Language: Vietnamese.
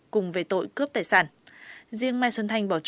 cùng về tội cướp tài sản